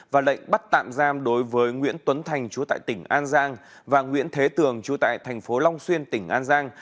và lệnh bắt tạm giam đối với nguyễn tuấn thành chú tại tỉnh an giang và nguyễn thế tường chú tại thành phố long xuyên tỉnh an giang